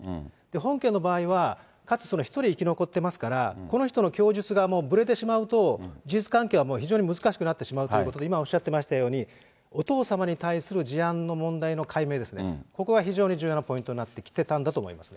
本件の場合は、かつその１人生き残ってますから、この人の供述がぶれてしまうと、事実関係はもう非常に難しくなってしまうということで、今、おっしゃっていましたように、お父様に対する事案の問題の解明ですね、ここが非常に重要なポイントになってきてたんだと思います。